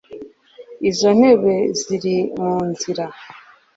izo ntebe ziri munzira